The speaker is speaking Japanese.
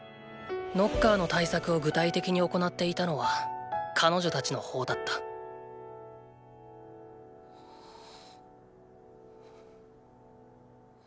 ノッカーの対策を具体的に行っていたのは彼女たちの方だったん。